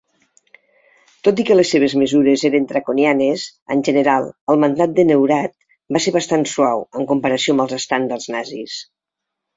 Tot i que les seves mesures eren draconianes, en general, el mandat de Neurath va ser bastant suau, en comparació amb els estàndards nazis.